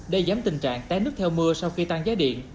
đây giám tình trạng té nước theo mưa sau khi tăng giá điện